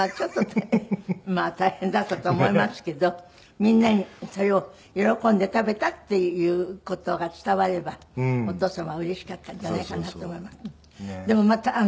みんなにそれを喜んで食べたっていう事が伝わればお父様はうれしかったんじゃないかなと思います。